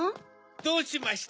どうしました？